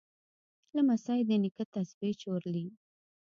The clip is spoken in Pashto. لمسی د نیکه تسبیح چورلي.